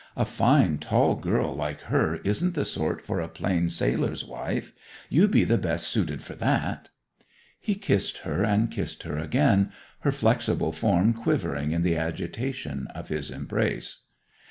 A fine, tall girl like her isn't the sort for a plain sailor's wife: you be the best suited for that.' He kissed her and kissed her again, her flexible form quivering in the agitation of his embrace.